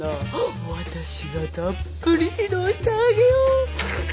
私がたっぷり指導してあげよう。